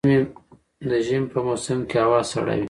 د ژمي په موسم کي هوا سړه وي